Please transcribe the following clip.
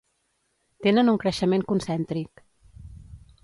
Tenen un creixement concèntric.